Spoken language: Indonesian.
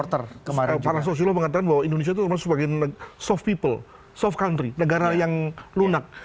ada yang bilang begini para sosial mengatakan bahwa indonesia itu sebagai soft people soft country negara yang lunak